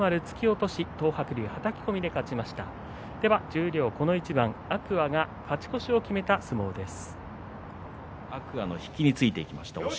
十両この一番、天空海が勝ち越しを決めた相撲です。